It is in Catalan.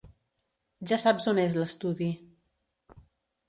Ja saps on és l'estudi.